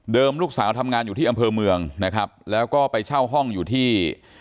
ลูกสาวทำงานอยู่ที่อำเภอเมืองนะครับแล้วก็ไปเช่าห้องอยู่ที่